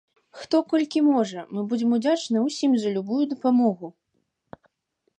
Хто колькі можа, мы будзем удзячныя ўсім за любую дапамогу!